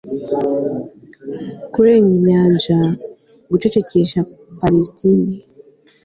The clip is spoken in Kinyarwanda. kurenga inyanja, gucecekesha palesitine